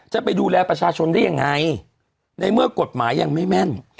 จะไปดูแลประชาชนได้ยังไงในเมื่อกฎหมายยังไม่แม่น